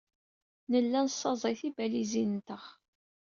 Nella nessaẓay tibalizin-nteɣ.